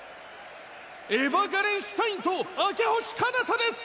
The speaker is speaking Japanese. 「エヴァ・ガレンシュタインと明星かなたです！」